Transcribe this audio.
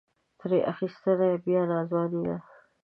ترې اخیستنه یې بیا ناځواني ده.